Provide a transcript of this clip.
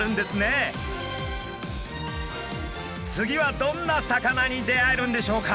次はどんな魚に出会えるんでしょうか？